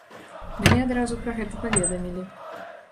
Мне адразу пра гэта паведамілі.